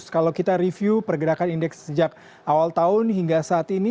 kalau kita review pergerakan indeks sejak awal tahun hingga saat ini